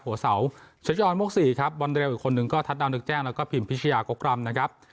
หัวเสาเชิดย้อนมกสี่ครับบอนเรลอีกคนหนึ่งก็ทัชดาวนึกแจ้งแล้วก็พิมพิชยากกรรมนะครับ